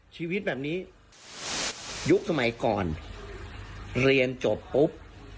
ชีวิตแบบนี้ยุคสมัยก่อนเรียนจบปุ๊บ